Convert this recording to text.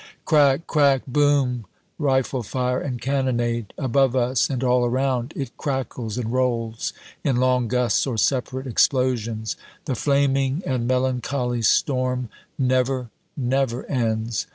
Crack! Crack! Boom! rifle fire and cannonade. Above us and all around, it crackles and rolls, in long gusts or separate explosions. The flaming and melancholy storm never, never ends.